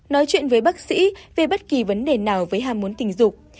nói chuyện với bác sĩ về bất kỳ vấn đề nào với hàm muốn tình dục